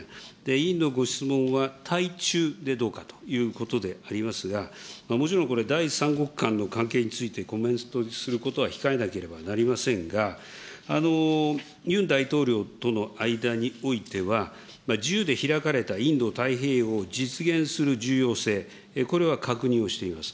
委員のご質問は対中でどうかということでありますが、もちろんこれ、第三国間の関係についてコメントすることは控えなければなりませんが、ユン大統領との間においては、自由で開かれたインド太平洋を実現する重要性、これは確認をしています。